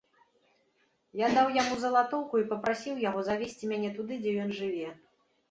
Я даў яму залатоўку і папрасіў яго завесці мяне туды, дзе ён жыве.